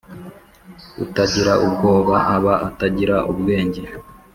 Utagira ubwoba aba atagra ubwenge.